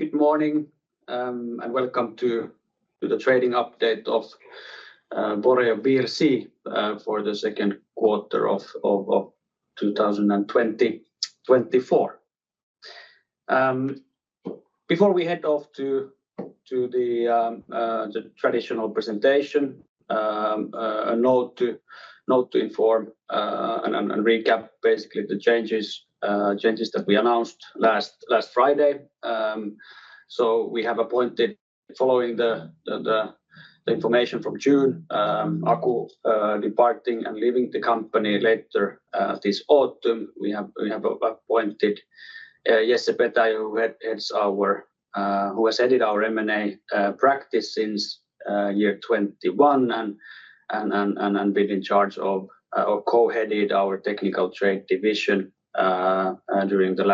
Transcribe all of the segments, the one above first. Good morning, and welcome to the trading update of Boreo Plc for the Q2 of 2024. Before we head off to the traditional presentation, a note to inform and recap basically the changes that we announced last Friday. So we have appointed, following the information from June, Aku departing and leaving the company later this autumn. We have appointed Jesse Petäjä, who heads our... who has headed our M&A practice since year 2021, and been in charge of, or co-headed our technical trade division during the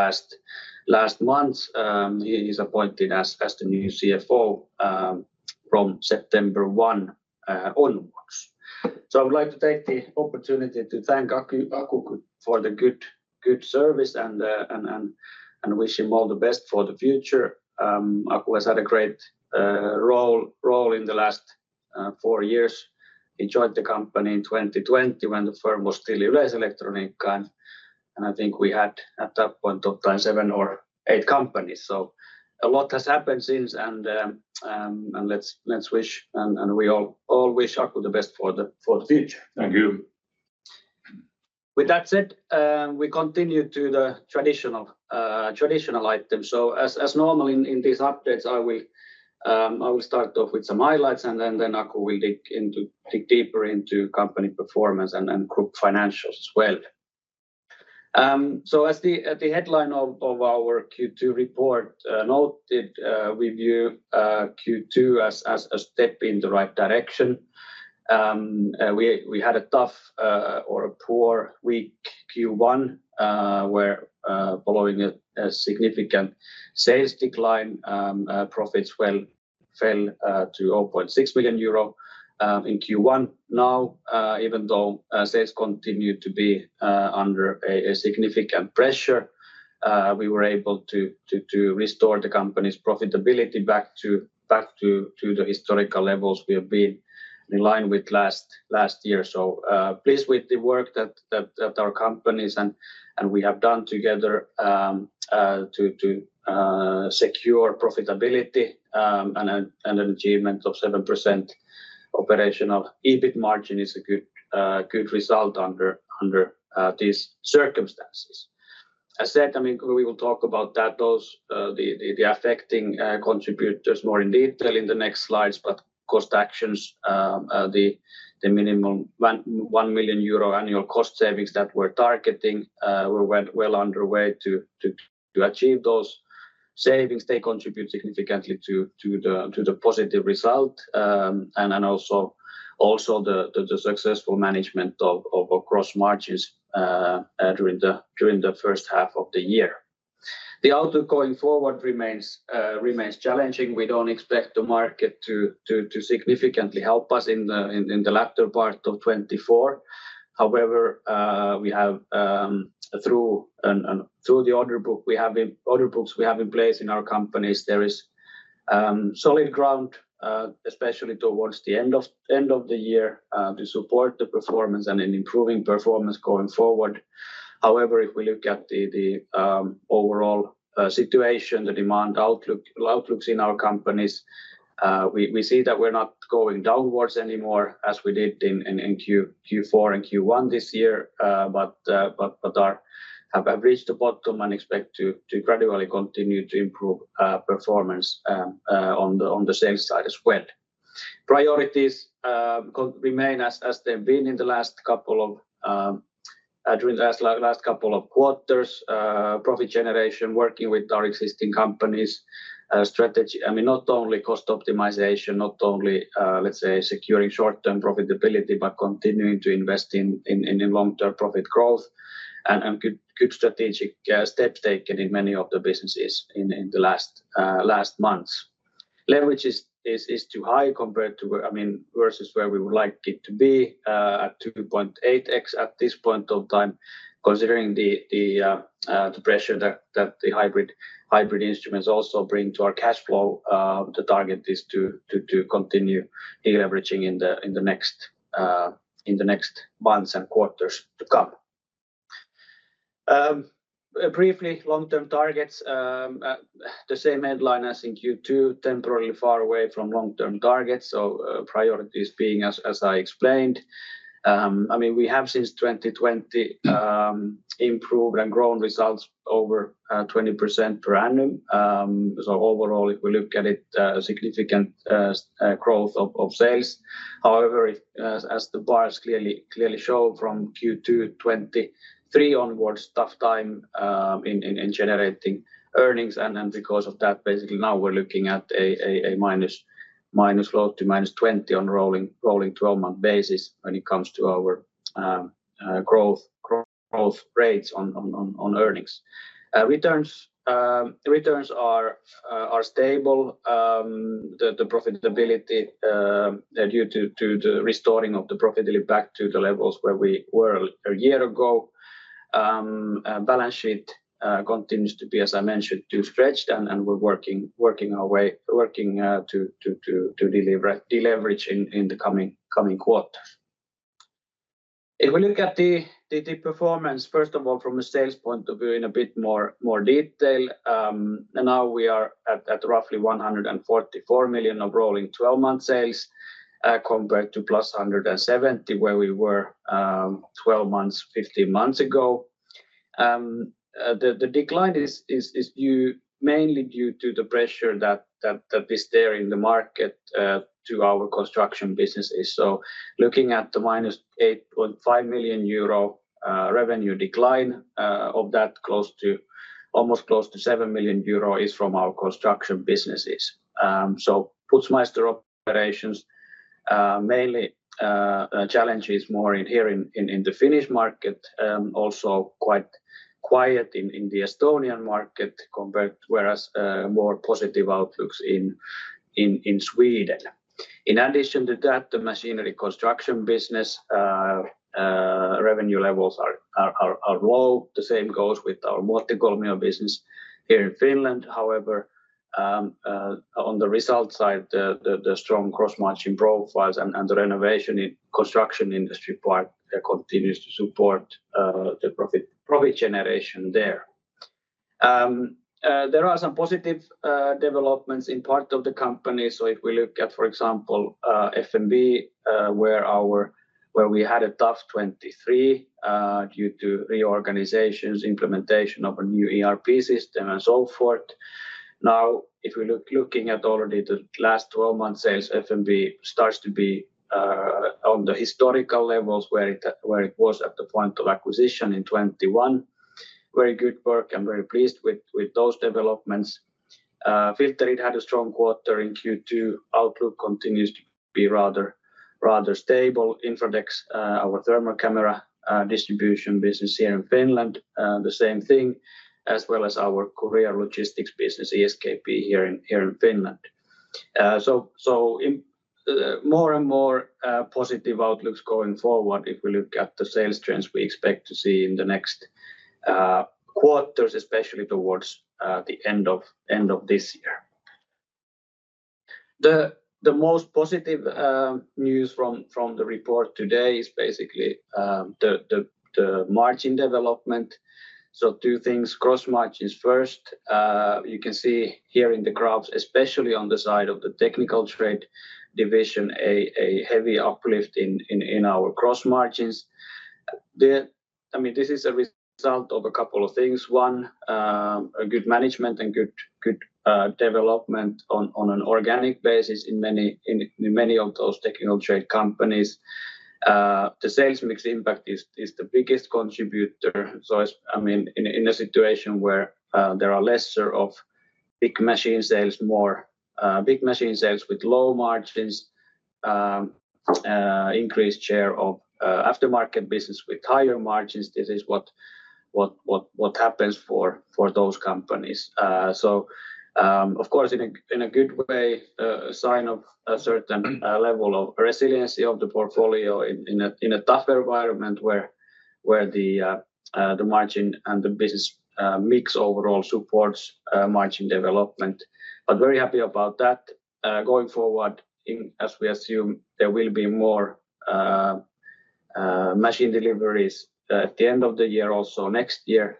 last months. He is appointed as the new CFO from September 1 onwards. So I would like to take the opportunity to thank Aku for the good service and wish him all the best for the future. Aku has had a great role in the last four years. He joined the company in 2020 when the firm was still Yleiselektroniikka, and I think we had, at that point of time, seven or eight companies. So a lot has happened since, and we all wish Aku the best for the future. Thank you. With that said, we continue to the traditional, traditional item. So as normal in these updates, I will start off with some highlights, and then Aku will dig into... dig deeper into company performance and group financials as well. So as the headline of our Q2 report noted, we view Q2 as a step in the right direction. We had a tough or a poor, weak Q1, where following a significant sales decline, profits well fell to 0.6 million euro in Q1. Now, even though sales continued to be under a significant pressure, we were able to restore the company's profitability back to the historical levels we have been in line with last year. So, pleased with the work that our companies and we have done together to secure profitability, and an achievement of 7% operational EBIT margin is a good result under these circumstances. As said, I mean, we will talk about those the affecting contributors more in detail in the next slides, but cost actions, the minimum 1 million euro annual cost savings that we're targeting, we went well underway to achieve those savings. They contribute significantly to the positive result, and then also the successful management of gross margins during the first half of the year. The outlook going forward remains challenging. We don't expect the market to significantly help us in the latter part of 2024. However, through the order books we have in place in our companies, there is solid ground, especially towards the end of the year, to support the performance and an improving performance going forward. However, if we look at the overall situation, the demand outlook outlooks in our companies, we see that we're not going downwards anymore as we did in Q4 and Q1 this year. But we have averaged the bottom and expect to gradually continue to improve performance on the sales side as well. Priorities continue to remain as they've been during the last couple of quarters. Profit generation, working with our existing companies, strategy. I mean, not only cost optimization, not only, let's say, securing short-term profitability, but continuing to invest in long-term profit growth and good strategic steps taken in many of the businesses in the last months. Leverage is too high compared to where, I mean, versus where we would like it to be, at 2.8x at this point of time. Considering the pressure that the hybrid instruments also bring to our cash flow, the target is to continue deleveraging in the next months and quarters to come. Briefly, long-term targets, the same headline as in Q2, temporarily far away from long-term targets, so priorities being as I explained. I mean, we have, since 2020, improved and grown results over 20% per annum. So overall, if we look at it, significant growth of sales. However, as the bars clearly show, from Q2 2023 onwards, tough time in generating earnings. And then because of that, basically now we're looking at a -12 to -20 on rolling 12-month basis when it comes to our growth rates on earnings. Returns are stable. The profitability due to the restoring of the profitability back to the levels where we were a year ago, balance sheet continues to be, as I mentioned, too stretched, and we're working our way to deliver de-leverage in the coming quarters. If we look at the performance, first of all, from a sales point of view in a bit more detail, now we are at roughly 144 million of rolling twelve-month sales, compared to +170 million, where we were twelve months, fifteen months ago. The decline is due mainly to the pressure that is there in the market to our construction businesses. So looking at the -8.5 million euro revenue decline, of that, close to almost close to 7 million euro is from our construction businesses. So Putzmeister operations, mainly challenges more in here in the Finnish market, also quite quiet in the Estonian market compared, whereas more positive outlooks in Sweden. In addition to that, the Machinery construction business, revenue levels are low. The same goes with our Multitel business here in Finland. However, on the result side, the strong gross-margin profiles and the renovation in construction industry part continues to support the profit generation there. There are some positive developments in part of the company. So if we look at, for example, FNB, where we had a tough 2023, due to reorganizations, implementation of a new ERP system, and so forth. Now, if we look at already the last 12-month sales, FNB starts to be on the historical levels where it was at the point of acquisition in 2021. Very good work. I'm very pleased with those developments. Filterit had a strong quarter in Q2. Outlook continues to be rather stable. Infradex, our thermal camera distribution business here in Finland, the same thing, as well as our courier logistics business, ESKP, here in Finland. So in more and more positive outlooks going forward, if we look at the sales trends we expect to see in the next quarters, especially towards the end of this year. The most positive news from the report today is basically the margin development. So two things: gross margins first. You can see here in the graphs, especially on the side of the technical trade division, a heavy uplift in our gross margins. I mean, this is a result of a couple of things. A good management and good development on an organic basis in many of those technical trade companies. The sales mix impact is the biggest contributor. So, I mean, in a situation where there are lesser of big machine sales, more big machine sales with low margins, increased share of aftermarket business with higher margins, this is what happens for those companies. So, of course, in a good way, a sign of a certain level of resiliency of the portfolio in a tough environment where the margin and the business mix overall supports margin development. But very happy about that. Going forward, as we assume, there will be more machine deliveries at the end of the year, also next year,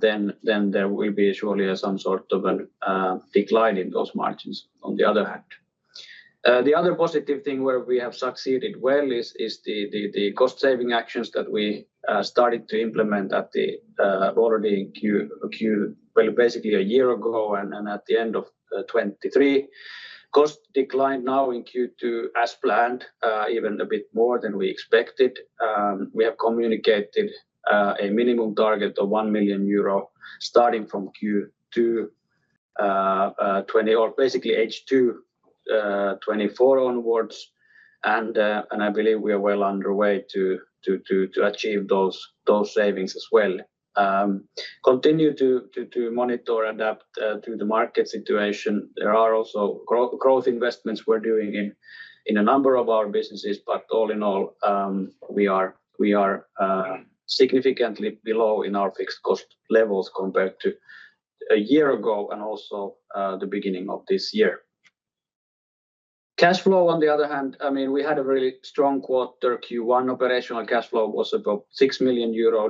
then there will be surely some sort of a decline in those margins on the other hand. The other positive thing where we have succeeded well is the cost-saving actions that we started to implement at the already Q2. Well, basically a year ago and at the end of 2023. Cost decline now in Q2 as planned, even a bit more than we expected. We have communicated a minimum target of 1 million euro, starting from Q2 2024 or basically H2 2024 onwards. I believe we are well underway to achieve those savings as well. Continue to monitor and adapt to the market situation. There are also growth investments we're doing in a number of our businesses, but all in all, we are significantly below in our fixed cost levels compared to a year ago and also the beginning of this year. Cash flow, on the other hand, I mean, we had a really strong quarter. Q1 operational cash flow was about 6 million euro.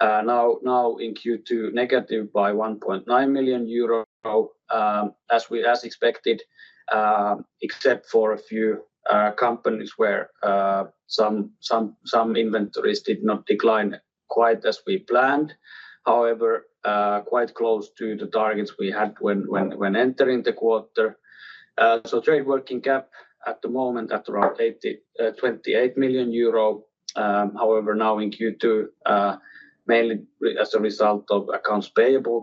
Now in Q2, negative by 1.9 million euro, as expected, except for a few companies where some inventories did not decline quite as we planned. However, quite close to the targets we had when entering the quarter. So trade working cap at the moment at around 82.8 million euro. However, now in Q2, mainly as a result of accounts payable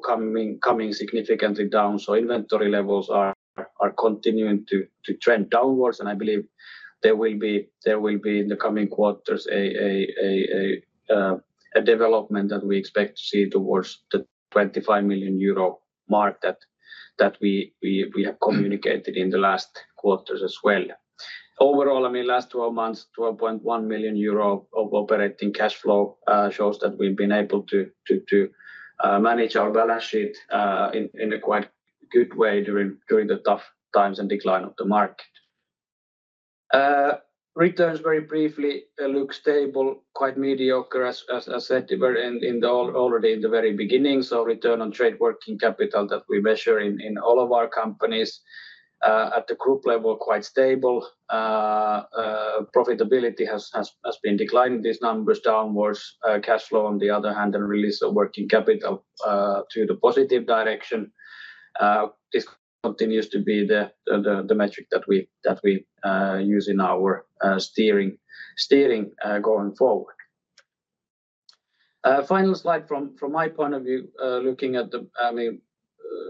coming significantly down, so inventory levels are continuing to trend downwards, and I believe there will be, in the coming quarters, a development that we expect to see towards the 25 million euro mark that we have communicated in the last quarters as well. Overall, I mean, last twelve months, 12.1 million euro of operating cash flow shows that we've been able to manage our balance sheet in a quite good way during the tough times and decline of the market. Returns very briefly look stable, quite mediocre as said, we're already in the very beginning. So return on trade working capital that we measure in all of our companies at the group level, quite stable. Profitability has been declining these numbers downwards. Cash flow, on the other hand, and release of working capital to the positive direction, this continues to be the metric that we use in our steering going forward. Final slide from my point of view, looking at the, I mean,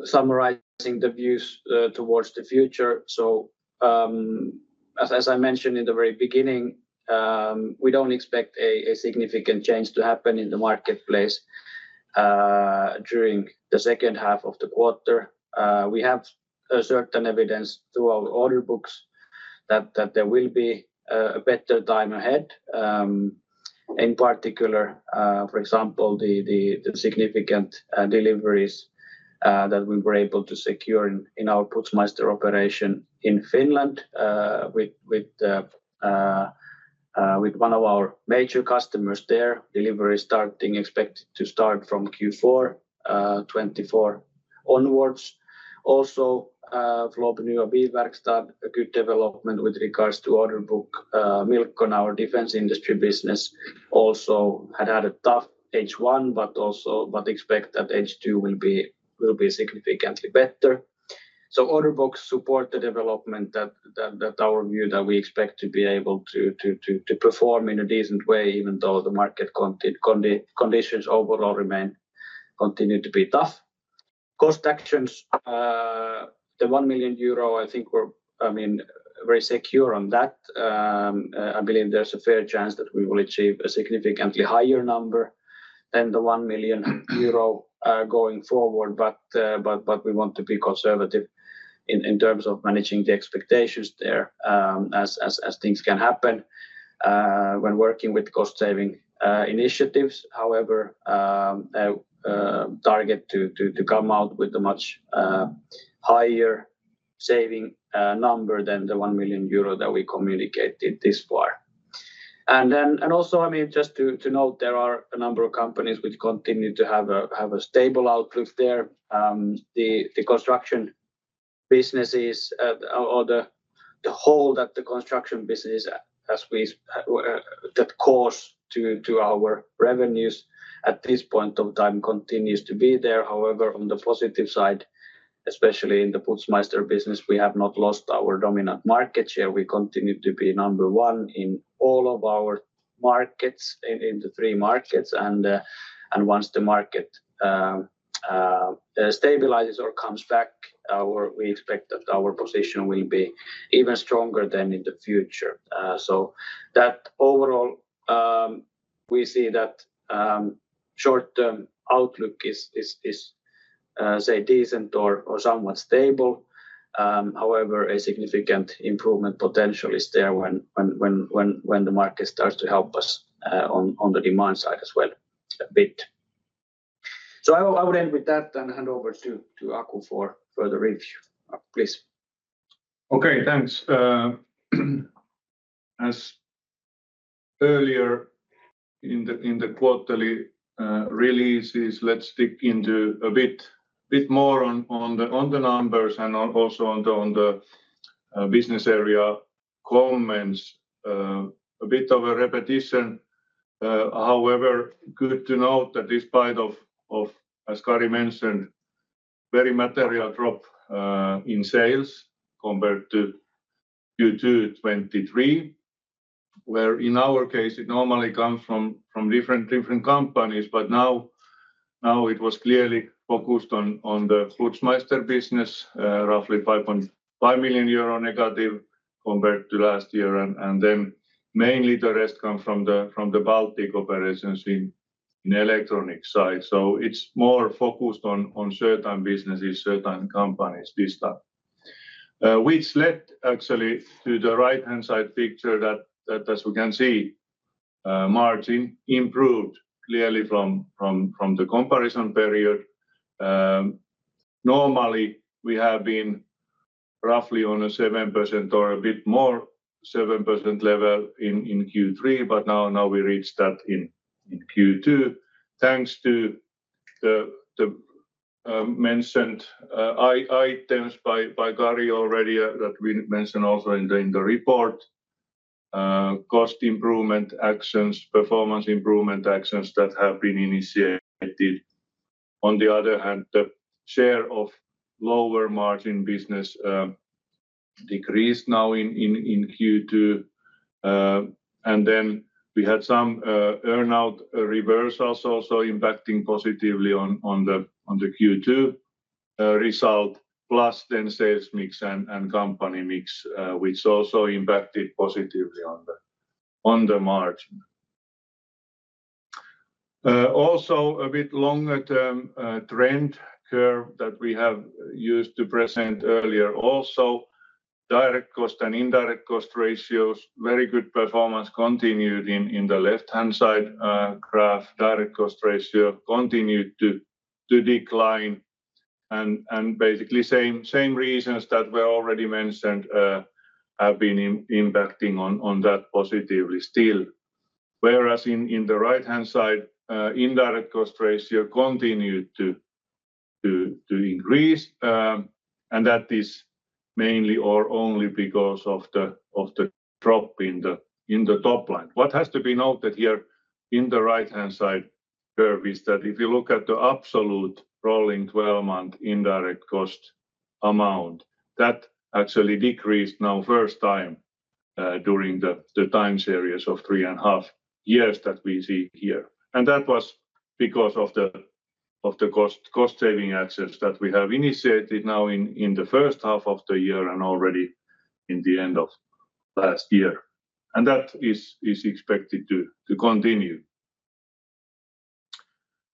summarizing the views towards the future. So, as I mentioned in the very beginning, we don't expect a significant change to happen in the marketplace during the second half of the quarter. We have a certain evidence through our order books that there will be a better time ahead. In particular, for example, the significant deliveries that we were able to secure in our Putzmeister operation in Finland, with one of our major customers there, delivery starting expected to start from Q4 2024 onwards. Also, Floby Nya Bilverkstad, a good development with regards to order book. Milcon, our defense industry business, also had a tough H1, but expect that H2 will be significantly better. So order books support the development that our view, that we expect to be able to perform in a decent way, even though the market conditions overall continue to be tough. Cost actions, the 1 million euro, I think we're, I mean, very secure on that. I believe there's a fair chance that we will achieve a significantly higher number than the 1 million euro, going forward, but we want to be conservative in terms of managing the expectations there, as things can happen when working with cost-saving initiatives. However, target to come out with a much higher saving number than the 1 million euro that we communicated this far. And also, I mean, just to note, there are a number of companies which continue to have a stable outlook there. The construction businesses, or the whole that the construction business as we that cause to our revenues at this point of time, continues to be there. However, on the positive side, especially in the Putzmeister business, we have not lost our dominant market share. We continue to be number one in all of our markets, in the three markets. And once the market stabilizes or comes back, we expect that our position will be even stronger than in the future. So that overall, we see that short-term outlook is, say, decent or somewhat stable. However, a significant improvement potential is there when the market starts to help us, on the demand side as well, a bit. So I would end with that and hand over to Aku for further review. Aku, please. Okay, thanks. As earlier in the quarterly releases, let's dig into a bit more on the business area comments. A bit of a repetition, however, good to note that despite of, as Kari mentioned, very material drop in sales compared to Q2 2023, where in our case, it normally comes from different companies, but now it was clearly focused on the Putzmeister business, roughly 5.5 million euro negative compared to last year. And then mainly the rest come from the Baltic operations in the electronic side. So it's more focused on certain businesses, certain companies, this time. which led actually to the right-hand side picture that as we can see, margin improved clearly from the comparison period. Normally, we have been roughly on a 7% or a bit more, 7% level in Q3, but now we reached that in Q2. Thanks to the mentioned items by Kari already, that we mentioned also in the report, cost improvement actions, performance improvement actions that have been initiated. On the other hand, the share of lower margin business decreased now in Q2. And then we had some earn-out reversals also impacting positively on the Q2 result, plus then sales mix and company mix, which also impacted positively on the margin. Also a bit longer-term trend curve that we have used to present earlier. Direct cost and indirect cost ratios, very good performance continued in the left-hand side graph. Direct cost ratio continued to decline and basically same reasons that were already mentioned have been impacting on that positively still. Whereas in the right-hand side indirect cost ratio continued to increase, and that is mainly or only because of the drop in the top line. What has to be noted here in the right-hand side curve is that if you look at the absolute rolling 12-month indirect cost amount, that actually decreased now first time during the time series of 3.5 years that we see here. And that was because of the cost-saving actions that we have initiated now in the first half of the year and already in the end of last year, and that is expected to continue.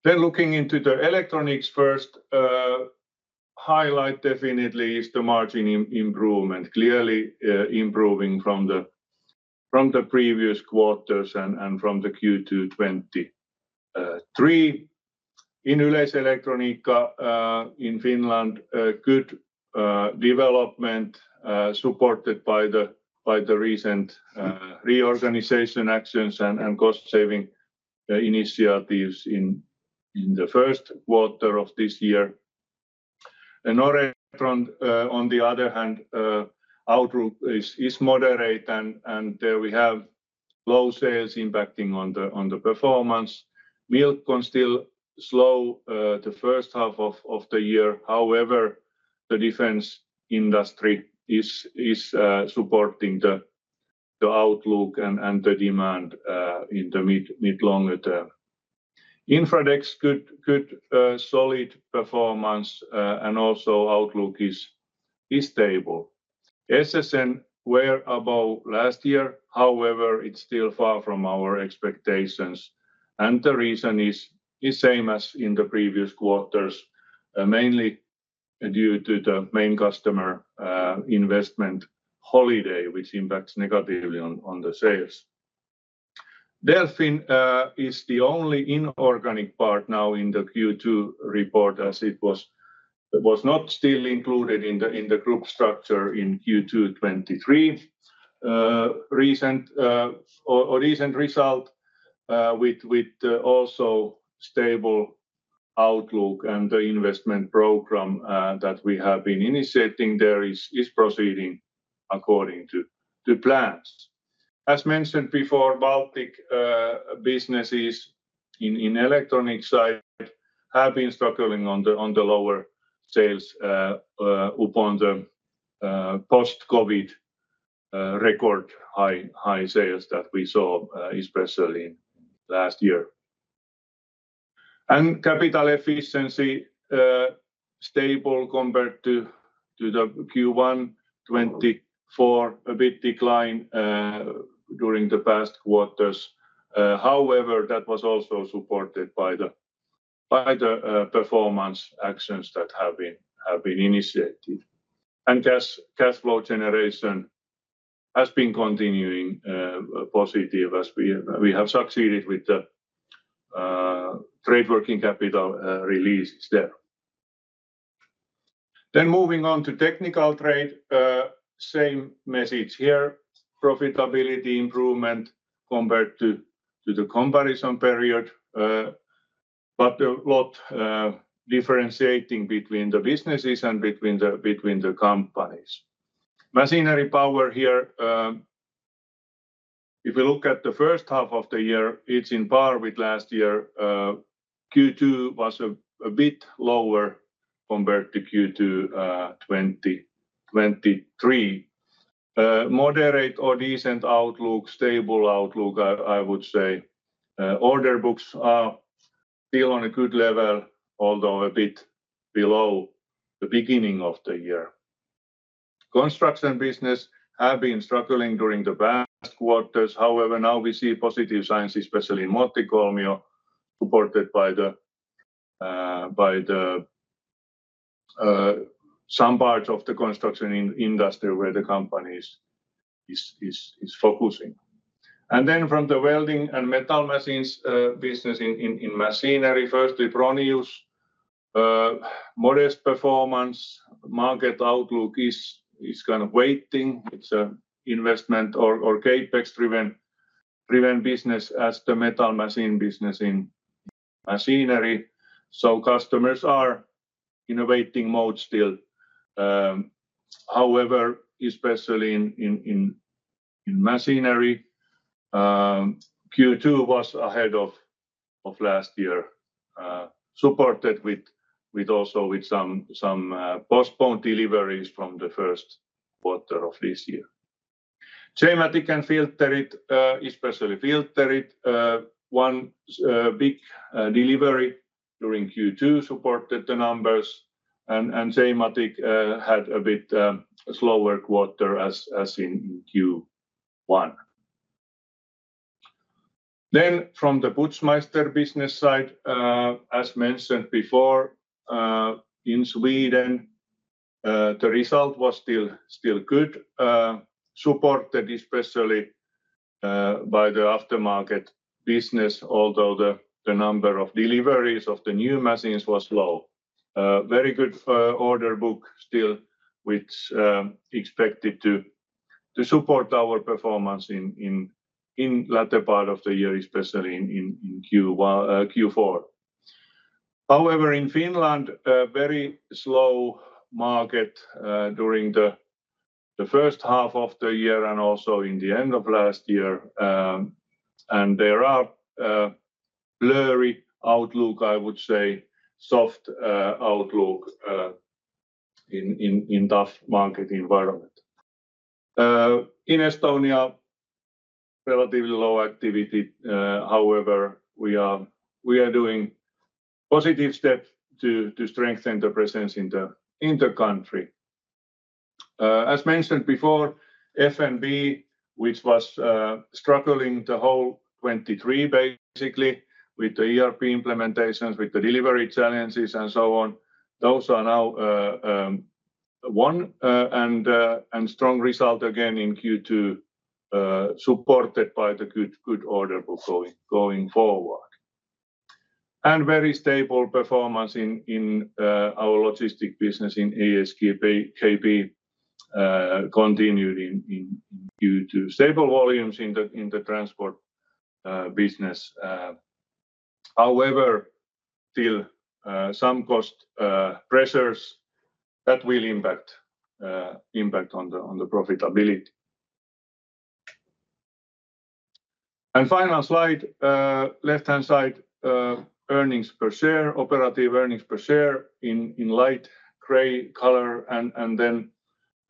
Then looking into the electronics first, highlight definitely is the margin improvement. Clearly improving from the previous quarters and from the Q2 2023. In Yleiselektroniikka in Finland, a good development supported by the recent reorganization actions and cost saving initiatives in the Q1 of this year. In Noretron, on the other hand, outlook is moderate and we have low sales impacting on the performance. Milcon still slow the first half of the year. However, the defense industry is supporting the outlook and the demand in the mid longer term. Infradex, good solid performance, and also outlook is stable. SSN were above last year, however, it's still far from our expectations, and the reason is the same as in the previous quarters: mainly due to the main customer, investment holiday, which impacts negatively on the sales. Delfin, is the only inorganic part now in the Q2 report, as it was... It was not still included in the group structure in Q2 2023. Recent result, with also stable outlook and the investment program, that we have been initiating there is proceeding according to plans. As mentioned before, Baltic businesses in electronic side have been struggling on the lower sales upon the post-COVID record high sales that we saw, especially last year. Capital efficiency stable compared to the Q1 2024. A big decline during the past quarters. However, that was also supported by the performance actions that have been initiated. Cash flow generation has been continuing positive as we have succeeded with the trade working capital release there. Then moving on to technical trade, same message here. Profitability improvement compared to the comparison period, but a lot differentiating between the businesses and between the companies. Machinery Power here, if we look at the first half of the year, it's on par with last year. Q2 was a bit lower compared to Q2 2023. Moderate or decent outlook, stable outlook, I would say. Order books are still on a good level, although a bit below the beginning of the year. Construction business have been struggling during the past quarters. However, now we see positive signs, especially in Multitel, supported by some parts of the construction industry where the company is focusing. And then from the welding and metal machines business in Machinery, first with Fronius. Modest performance. Market outlook is kind of waiting. It's an investment or CapEx-driven business as the metal machine business in Machinery, so customers are in a waiting mode still. However, especially in Machinery, Q2 was ahead of last year, supported also with some postponed deliveries from the Q1 of this year. J-Matic and Filterit, especially Filterit, one big delivery during Q2 supported the numbers, and J-Matic had a bit slower quarter as in Q1. Then from the Putzmeister business side, as mentioned before, in Sweden, the result was still good, supported especially by the aftermarket business, although the number of deliveries of the new machines was low. Very good order book still, which expected to support our performance in latter part of the year, especially in Q1, Q4. However, in Finland, a very slow market during the first half of the year and also in the end of last year. And there are blurry outlook, I would say, soft outlook in tough market environment. In Estonia, relatively low activity, however, we are doing positive step to strengthen the presence in the country. As mentioned before, FNB, which was struggling the whole 2023, basically, with the ERP implementations, with the delivery challenges, and so on, those are now one and strong result again in Q2, supported by the good order book going forward. Very stable performance in our logistic business in ESKP continued in due to stable volumes in the transport business. However, still some cost pressures that will impact on the profitability. And final slide, left-hand side, earnings per share, operative earnings per share in light gray color, and the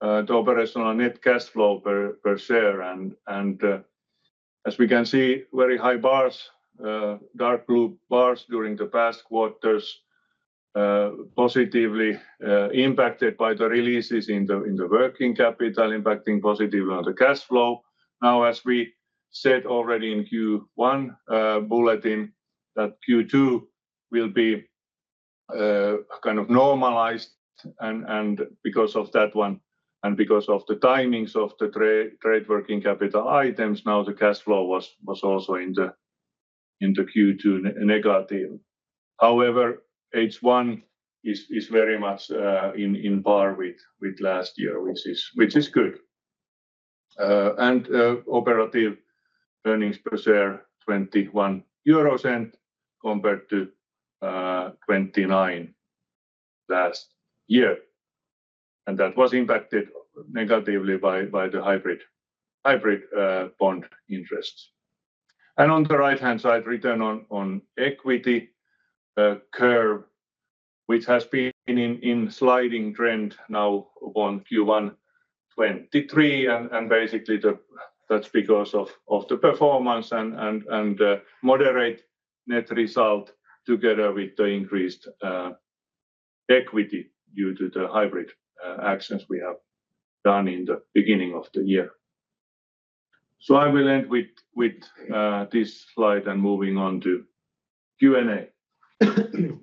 operational net cash flow per share. And as we can see, very high bars, dark blue bars during the past quarters, positively impacted by the releases in the working capital, impacting positively on the cash flow. Now, as we said already in Q1 bulletin, that Q2 will be kind of normalized, and because of that one, and because of the timings of the trade working capital items, now the cash flow was also in the Q2 negative. However, H1 is very much in par with last year, which is good. And operative earnings per share, 0.21, compared to 0.29 last year, and that was impacted negatively by the hybrid bond interests. On the right-hand side, return on equity curve, which has been in sliding trend now on Q1 2023, and basically the... That's because of the performance and moderate net result together with the increased equity due to the hybrid actions we have done in the beginning of the year. So I will end with this slide and moving on to Q&A.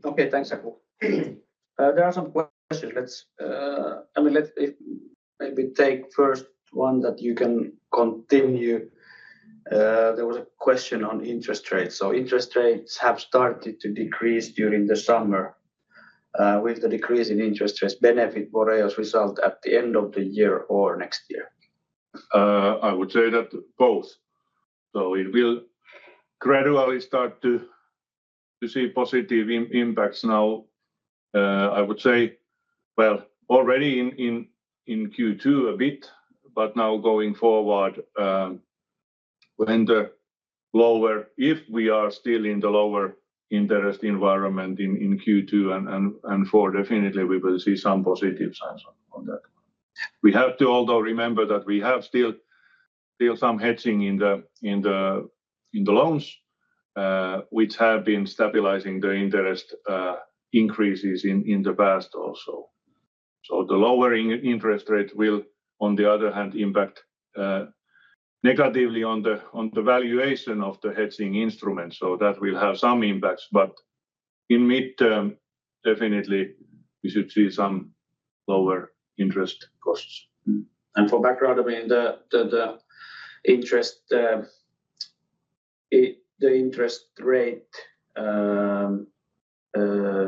Okay, thanks, Aku. There are some questions. Let's maybe take first one that you can continue. There was a question on interest rates. So interest rates have started to decrease during the summer. Will the decrease in interest rates benefit Boreo's result at the end of the year or next year? I would say that both. So it will gradually start to see positive impacts now. I would say already in Q2 a bit, but now going forward. If we are still in the lower interest environment in Q2 and forward, definitely we will see some positive signs on that. We have to, although, remember that we have still some hedging in the loans, which have been stabilizing the interest increases in the past also. So the lower interest rate will, on the other hand, impact negatively on the valuation of the hedging instrument, so that will have some impacts. But in mid-term, definitely we should see some lower interest costs. Mm-hmm. For background, I mean, the interest rate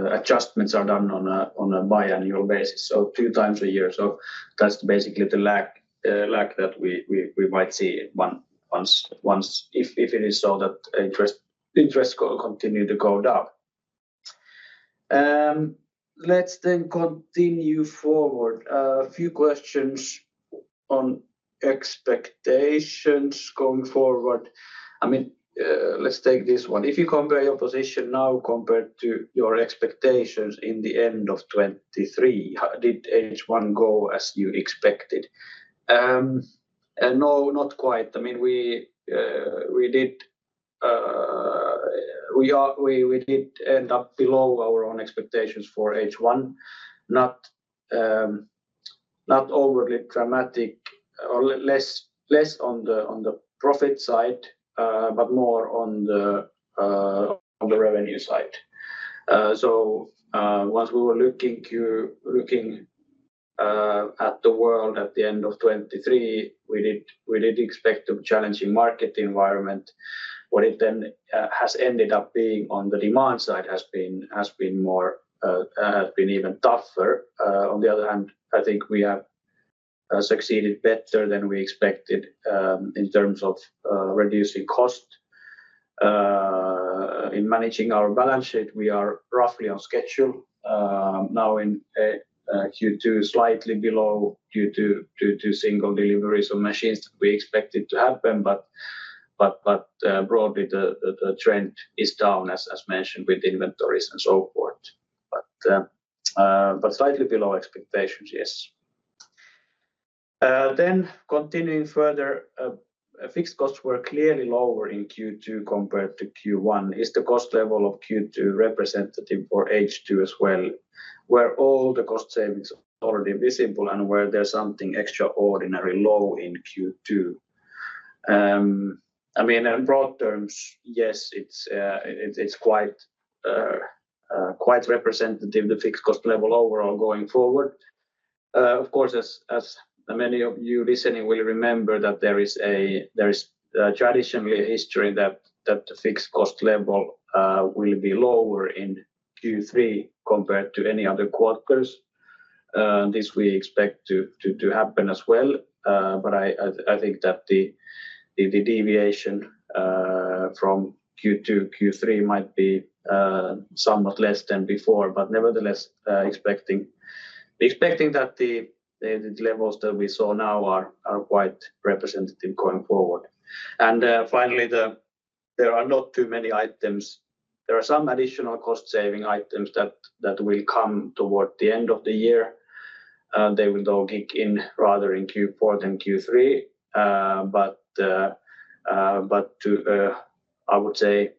adjustments are done on a biannual basis, so two times a year. So that's basically the lag that we might see once if it is so that interest continue to go down. Let's then continue forward. A few questions on expectations going forward. I mean, let's take this one. If you compare your position now compared to your expectations in the end of 2023, did H1 go as you expected? No, not quite. I mean, we did end up below our own expectations for H1. Not overly dramatic, or less on the profit side, but more on the revenue side. So, once we were looking at the world at the end of 2023, we did expect a challenging market environment. What it then has ended up being on the demand side has been even tougher. On the other hand, I think we have succeeded better than we expected, in terms of reducing cost. In managing our balance sheet, we are roughly on schedule, now in Q2, slightly below due to single deliveries of machines that we expected to happen, but broadly, the trend is down, as mentioned, with inventories and so forth. But slightly below expectations, yes. Continuing further, "Fixed costs were clearly lower in Q2 compared to Q1. Is the cost level of Q2 representative for H2 as well, were all the cost savings already visible, and were there something extraordinary low in Q2?" I mean, in broad terms, yes, it's, it's quite, quite representative, the fixed cost level overall going forward. Of course, as many of you listening will remember, that there is a... there is a traditionally a history that, that the fixed cost level will be lower in Q3 compared to any other quarters. This we expect to happen as well. But I think that the, the, the deviation from Q2 to Q3 might be somewhat less than before, but nevertheless, expecting that the, the, the levels that we saw now are, are quite representative going forward. And, finally, there are not too many items. There are some additional cost-saving items that will come toward the end of the year. They will all kick in rather in Q4 than Q3. But to... I would say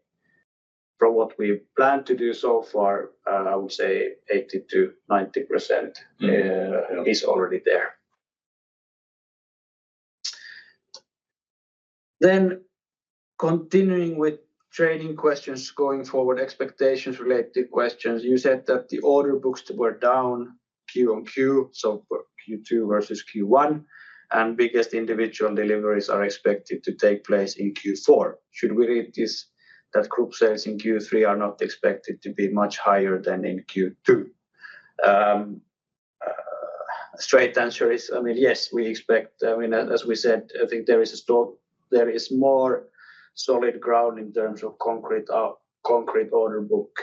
from what we've planned to do so far, I would say 80%-90% is already there. Then continuing with trading questions going forward, expectations-related questions: "You said that the order books were down Q on Q, so Q2 versus Q1, and biggest individual deliveries are expected to take place in Q4. Should we read this that group sales in Q3 are not expected to be much higher than in Q2? Straight answer is, I mean, yes, we expect, I mean, as, as we said, I think there is a strong—there is more solid ground in terms of concrete, concrete order book,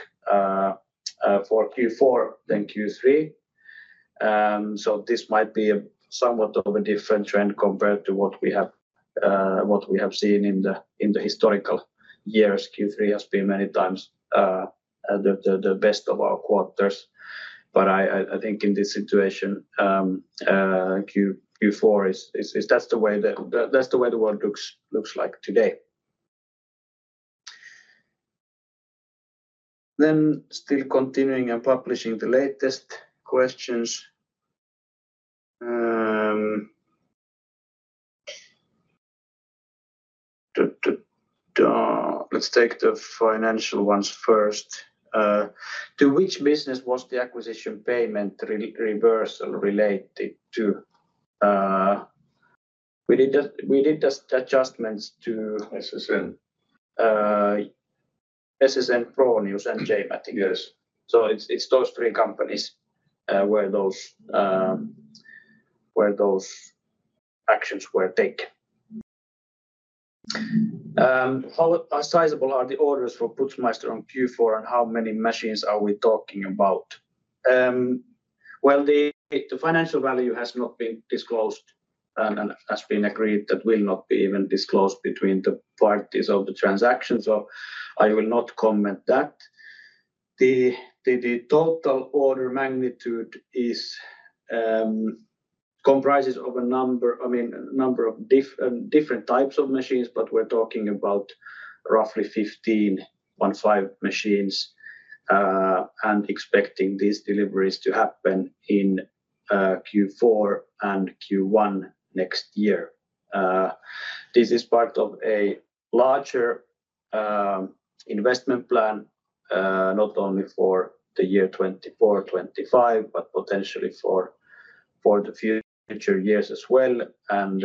for Q4 than Q3. So this might be a somewhat of a different trend compared to what we have, what we have seen in the, in the historical years. Q3 has been many times the best of our quarters. But I think in this situation, Q4 is... That's the way the, that's the way the world looks, looks like today. Then still continuing and publishing the latest questions. Let's take the financial ones first. To which business was the acquisition payment reversal related to?" We did just adjustments to SSN. SSN, Fronius, and J-Matic, I think. Yes. So it's those three companies where those actions were taken. "How sizable are the orders for Putzmeister on Q4, and how many machines are we talking about?" Well, the financial value has not been disclosed, and has been agreed that will not be even disclosed between the parties of the transaction, so I will not comment that. The total order magnitude is comprises of a number, I mean, a number of different types of machines, but we're talking about roughly 15 machines. And expecting these deliveries to happen in Q4 and Q1 next year. This is part of a larger investment plan, not only for the year 2024, 2025, but potentially for the future years as well. And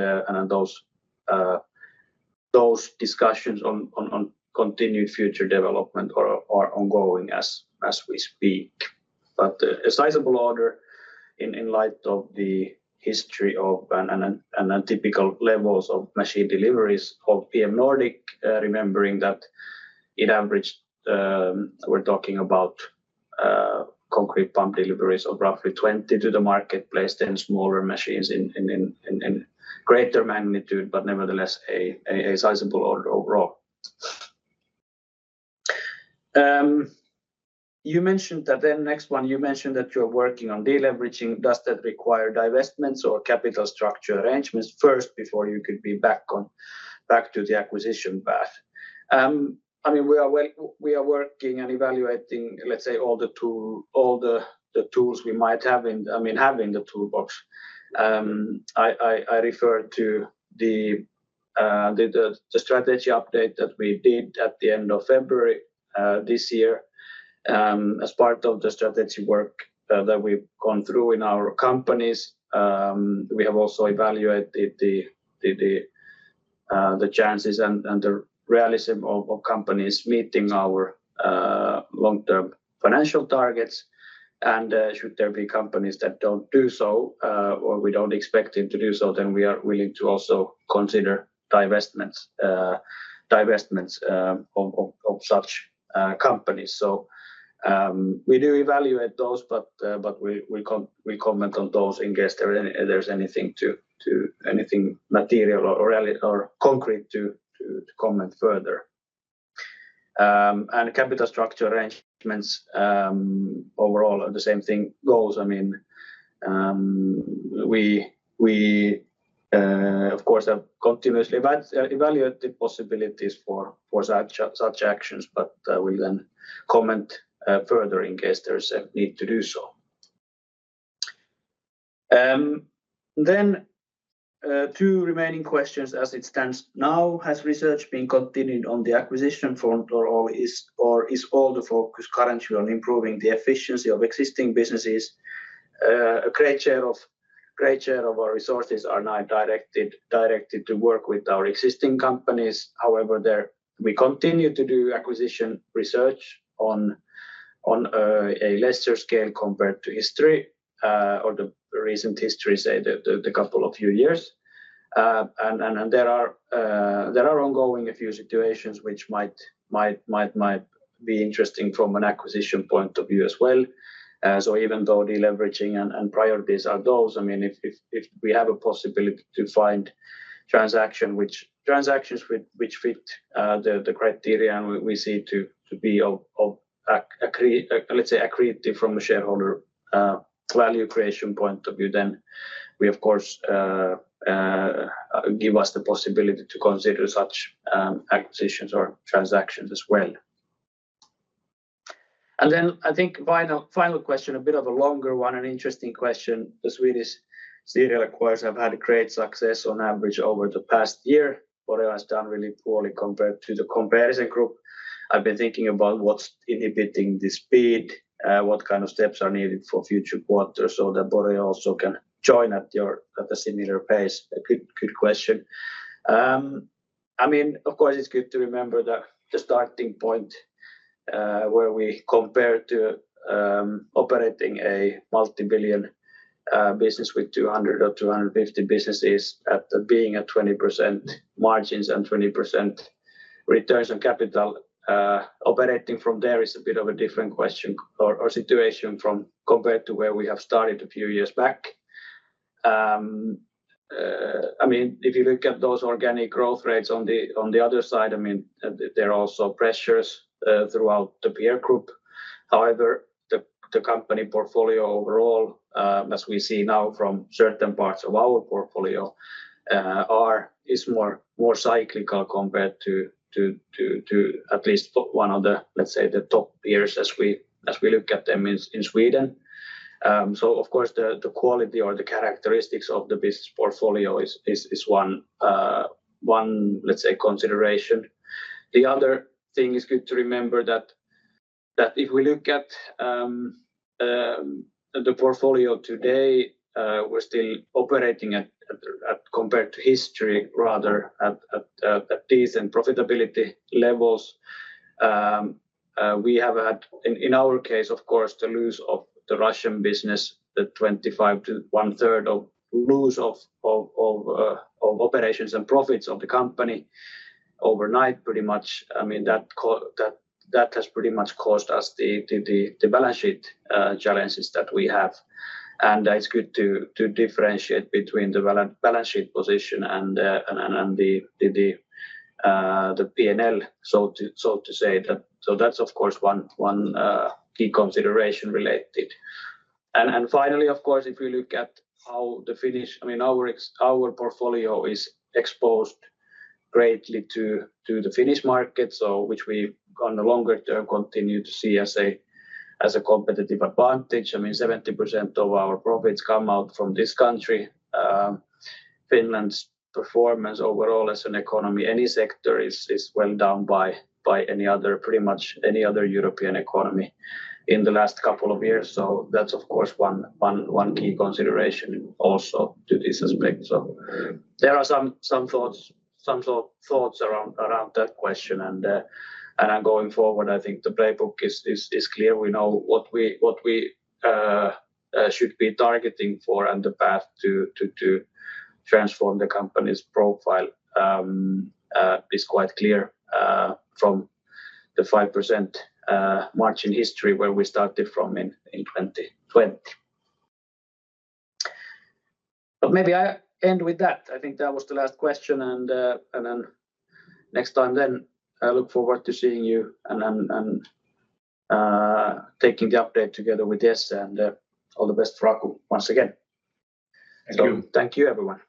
those discussions on continued future development are ongoing as we speak. But a sizable order in light of the history of and untypical levels of machine deliveries of PM Nordic, remembering that in average, we're talking about concrete pump deliveries of roughly 20 to the marketplace, then smaller machines in greater magnitude, but nevertheless, a sizable order overall. You mentioned that, then next one, you mentioned that you're working on deleveraging. Does that require divestments or capital structure arrangements first, before you could be back to the acquisition path? I mean, we are well, we are working and evaluating, let's say, all the tools we might have in, I mean, have in the toolbox. I refer to the strategy update that we did at the end of February, this year. As part of the strategy work that we've gone through in our companies, we have also evaluated the chances and the realism of companies meeting our long-term financial targets. Should there be companies that don't do so, or we don't expect them to do so, then we are willing to also consider divestments, divestments, of such companies. So, we do evaluate those, but we comment on those in case there's anything to. Anything material or concrete to comment further. And capital structure arrangements, overall, are the same thing goes. I mean, we, of course, have continuously evaluate the possibilities for such actions, but we then comment further in case there's a need to do so. Then, two remaining questions as it stands now: Has research been continued on the acquisition front, or is all the focus currently on improving the efficiency of existing businesses? A great share of our resources are now directed to work with our existing companies. However, there... We continue to do acquisition research on a lesser scale compared to history, or the recent history, say, the couple of few years. And there are ongoing a few situations which might be interesting from an acquisition point of view as well. So even though deleveraging and priorities are those, I mean, if we have a possibility to find transaction which... Transactions which fit the criteria and we see to be of, let's say, accretive from a shareholder value creation point of view, then we, of course, give us the possibility to consider such acquisitions or transactions as well. And then I think final question, a bit of a longer one, an interesting question. The Swedish serial acquirers have had great success on average over the past year. Boreo has done really poorly compared to the comparison group. I've been thinking about what's inhibiting the speed, what kind of steps are needed for future quarters so that Boreo also can join at a similar pace. A good, good question. I mean, of course, it's good to remember that the starting point, where we compare to, operating a multi-billion business with 200 or 250 businesses, at being at 20% margins and 20% return on capital, operating from there is a bit of a different question or, or situation from compared to where we have started a few years back. I mean, if you look at those organic growth rates on the other side, I mean, there are also pressures throughout the peer group. However, the company portfolio overall, as we see now from certain parts of our portfolio, is more cyclical compared to at least one of the, let's say, the top peers as we look at them in Sweden. So of course, the quality or the characteristics of the business portfolio is one, let's say, consideration. The other thing is good to remember that if we look at the portfolio today, we're still operating at... Compared to history, rather, at decent profitability levels. We have had, in our case, of course, the loss of the Russian business, 25 to one-third of operations and profits of the company overnight, pretty much. I mean, that has pretty much caused us the balance sheet challenges that we have. And it's good to differentiate between the balance sheet position and the PNL, so to say. So that's of course one key consideration related. And finally, of course, if you look at how the Finnish I mean, our portfolio is exposed greatly to the Finnish market, so which we've on the longer term continue to see as a competitive advantage. I mean, 70% of our profits come out from this country. Finland's performance overall as an economy, any sector, is well down by any other, pretty much any other European economy in the last couple of years. So that's of course one key consideration also to this aspect. So there are some thoughts around that question. And then going forward, I think the playbook is clear. We know what we should be targeting for and the path to transform the company's profile is quite clear from the 5% margin history where we started from in 2020. But maybe I end with that. I think that was the last question, and then next time, I look forward to seeing you and taking the update together with this, and all the best for Aku once again. Thank you. Thank you, everyone.